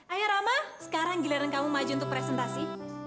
ayo rama sekarang giliran kamu maju untuk presentasi